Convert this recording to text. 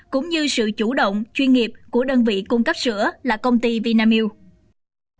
cũng như sự chủ động chuyên nghiệp của đơn vị cung cấp sữa là công ty vinamilk